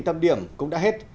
tập điểm cũng đã hết